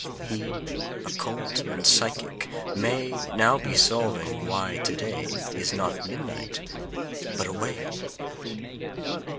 He, occult and psychic, may Now be solving why to day Is not midnight. But away!